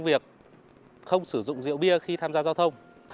việc không sử dụng rượu bia khi tham gia giao thông